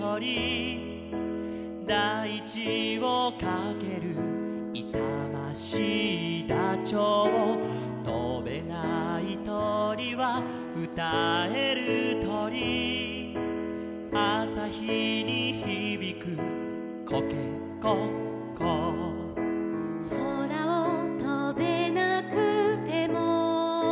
「だいちをかける」「いさましいダチョウ」「とべないとりはうたえるとり」「あさひにひびくコケコッコー」「そらをとべなくても」